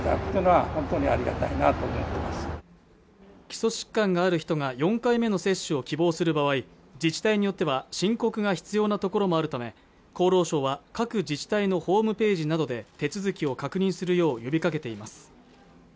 基礎疾患がある人が４回目の接種を希望する場合自治体によっては申告が必要なところもあるため厚労省は各自治体のホームページなどで手続きを確認するよう呼びかけています